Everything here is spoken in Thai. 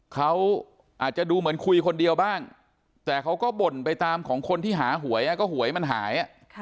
เขาอาจจะดูเหมือนคุยคนเดียวบ้างแต่เขาก็บ่นไปตามของคนที่หาหวยก็หวยมันหาย